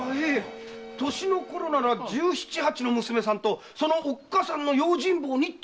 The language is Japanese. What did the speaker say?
歳の頃なら十七・八の娘さんとそのおっかさんの用心棒にって。